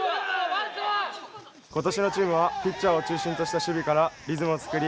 ことしのチームはピッチャーを中心とした守備からリズムを作り